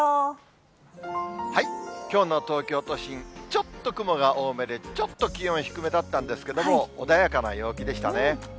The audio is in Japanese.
きょうの東京都心、ちょっと雲が多めで、ちょっと気温低めだったんですけども、穏やかな陽気でしたね。